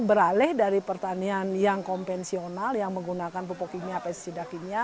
beralih dari pertanian yang kompensional yang menggunakan pupuk kimia dan pesisida kimia